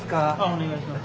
お願いします。